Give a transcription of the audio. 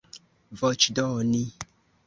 voĉdoni